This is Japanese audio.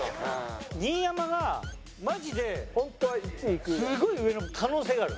新山がマジですごい上の可能性がある。